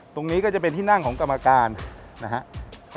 ตรงนี้ก็จะเป็นที่นั่งของกรรมการนะครับ